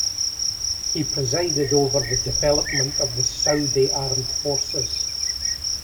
He presided over the development of the Saudi armed forces.